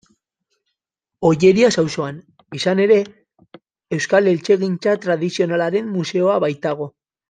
Ollerias auzoan, izan ere, Euskal Eltzegintza Tradizionalaren Museoa baitago.